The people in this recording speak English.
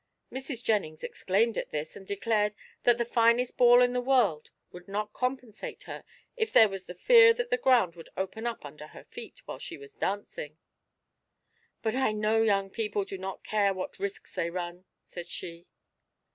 Mrs. Jennings exclaimed at this, and declared that the finest ball in the world would not compensate her if there was the fear that the ground would open under her feet while she was dancing. "But I know young people do not care what risks they run," said she.